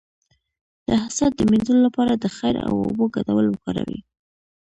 د حسد د مینځلو لپاره د خیر او اوبو ګډول وکاروئ